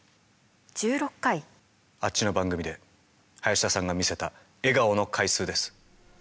あっちの番組で林田さんが見せた笑顔の回数です。